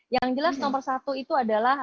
yang jelas nomor satu itu adalah